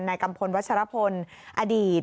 ในกัมพลวัชฌาพนธ์อดีต